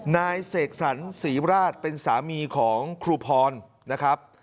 นายเสกสรรศรีราชเป็นสามีของครูพรนะครับ